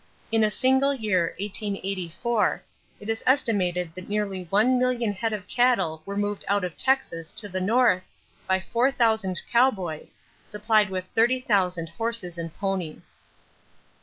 In a single year, 1884, it is estimated that nearly one million head of cattle were moved out of Texas to the North by four thousand cowboys, supplied with 30,000 horses and ponies.